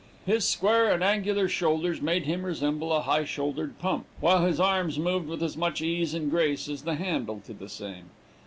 His square and angular shoulders made him resemble a high shouldered pump, while his arms moved with as much ease and grace as the handle to the same.